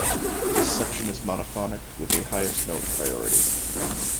This section is monophonic, with a highest note priority.